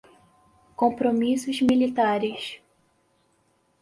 compromissos militares